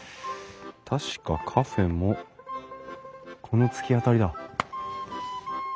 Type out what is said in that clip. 確かカフェもこの突き当たりだ。